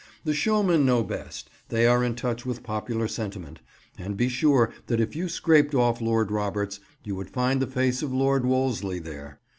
The showmen know best, they are in touch with popular sentiment; and be sure that if you scraped off Lord Roberts, you would find the face of Lord Wolseley there.